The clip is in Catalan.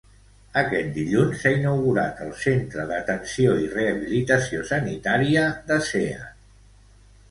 Aquest dilluns s'ha inaugurat el Centre d'Atenció i Rehabilitació Sanitària de Seat.